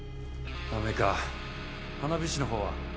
ダメか花火師のほうは？